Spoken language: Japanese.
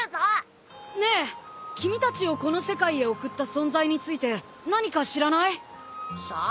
ねえ君たちをこの世界へ送った存在について何か知らない？さあ。